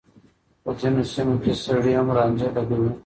په ځينو سيمو کې سړي هم رانجه لګوي.